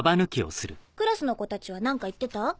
クラスの子たちは何か言ってた？